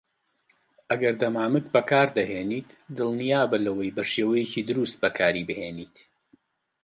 ئەگەر دەمامک بەکاردەهێنیت، دڵنیابە لەوەی بەشێوەیەکی دروست بەکاریبهێنیت.